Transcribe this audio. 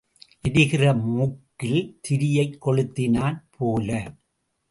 எரிகிற மூக்கில் திரியைக் கொளுத்தினாற் போல.